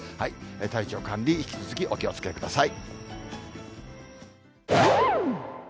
体調管理、引き続きお気をつけください。